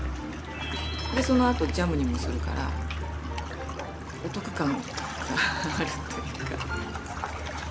でそのあとジャムにもするからお得感があるというか。